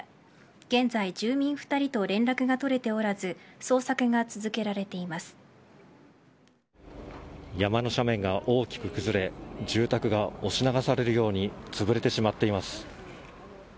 現在住民２人と連絡が取れておらず山の斜面が大きく崩れ住宅が押し流されるようにつぶれてしまっています。